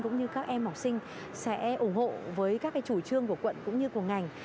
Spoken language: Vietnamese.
cũng như các em học sinh sẽ ủng hộ với các chủ trương của quận cũng như của ngành